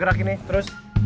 jangan aja pell ultra